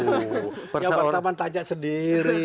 ya pak taman tanya sendiri